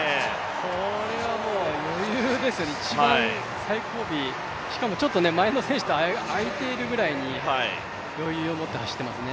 それは余裕ですよね、一番最後尾、しかもちょっと前の選手とあいているくらいに余裕をもって走っていますね。